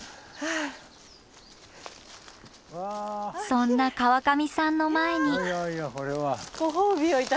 そんな川上さんの前に。